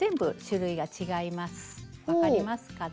分かりますかね？